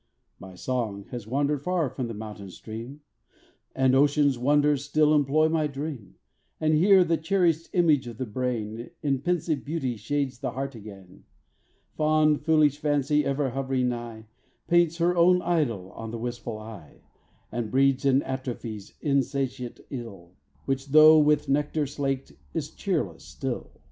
My song has wandered from the mountain stream, And Ocean's wonders still employ my dream, And here the cherished image of the brain In pensive beauty shades the heart again; Fond, foolish fancy, ever hov'ring nigh, Paints her own idol on the wistful eye, And breeds an atrophy's insatiate ill, Which though with nectar slaked, is cheerless still.